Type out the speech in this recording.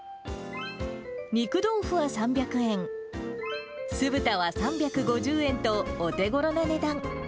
肉豆腐は３００円、酢豚は３５０円とお手ごろな値段。